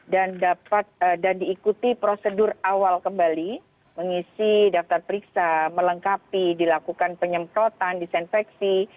dan diikuti prosedur awal kembali mengisi daftar periksa melengkapi dilakukan penyemprotan disinfeksi